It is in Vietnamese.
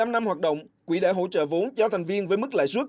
một mươi năm năm hoạt động quỹ đã hỗ trợ vốn cho thành viên với mức lãi suất